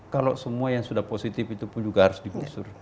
kalau semua yang sudah positif itu pun juga harus digusur